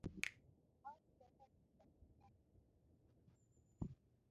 Noyude konindo oko ka min gi.